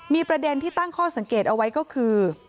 มีประเด็นที่ตั้งข้อสังเกตเอาไว้ก็คือ